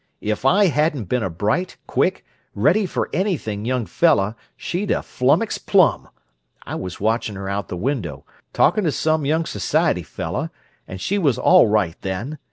"If I hadn't been a bright, quick, ready for anything young fella she'd 'a' flummixed plum! I was watchin' her out the window—talkin' to some young s'iety fella, and she was all right then.